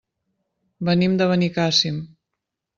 Venim de Benicàssim.